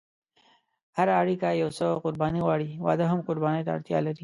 هره اړیکه یو څه قرباني غواړي، واده هم قرباني ته اړتیا لري.